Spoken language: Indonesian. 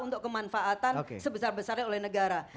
untuk kemanfaatan sebesar besarnya oleh negara